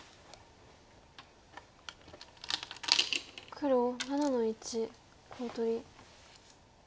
黒７の一コウ取り。